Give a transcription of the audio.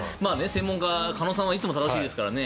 専門家、鹿野さんはいつも正しいですからね。